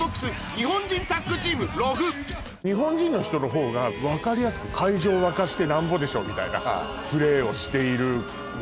日本人タッグチームＲｏｆｕ日本人の人の方が分かりやすく会場沸かしてなんぼでしょみたいなプレーをしているのが。